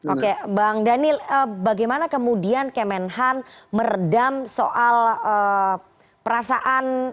oke bang daniel bagaimana kemudian kemenhan meredam soal perasaan